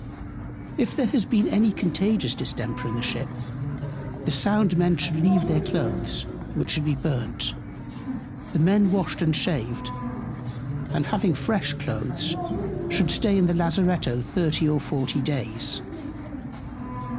If there has been any Contagious Distemper in the Ship; The Sound Men should leave their Cloaths; which should be burnt; the Men washed and shaved; and having fresh Cloaths, should stay in the Lazaretto 30 or 40 Days.